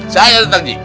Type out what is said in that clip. saya dateng ji